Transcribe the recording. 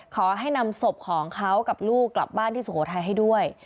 ขอให้นำศพของเขากับลูกกลับบ้านที่สุโขทัยให้ด้วย